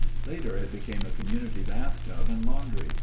Later it became a community bath tub and laundry.